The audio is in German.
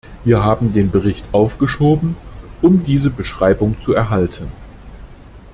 Wir haben den Bericht aufgeschoben, um diese Beschreibung zu erhalten.